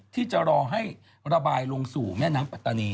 ที่จะรอให้ระบายลงสู่แม่น้ำปัตตานี